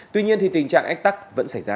tuy nhiên thì tình trạng ách tắc vẫn xảy ra